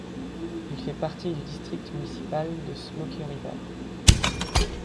Il fait partie du district municipal de Smoky River.